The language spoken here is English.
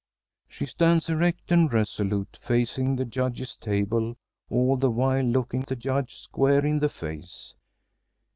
She stands erect and resolute, facing the Judges' table, all the while looking the Judge square in the face.